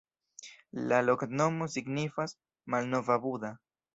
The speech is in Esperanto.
La loknomo signifas: malnova Buda.